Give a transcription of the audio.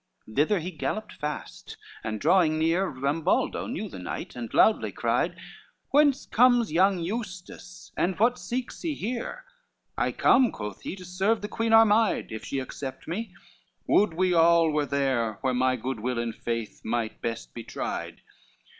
LXXXI Thither he galloped fast, and drawing near Rambaldo knew the knight, and loudly cried, "Whence comes young Eustace, and what seeks he here?" "I come," quoth he, "to serve the Queen Armide, If she accept me, would we all were there Where my good will and faith might best be tried."